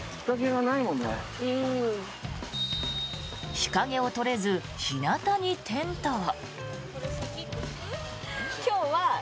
日陰を取れず日なたにテントを。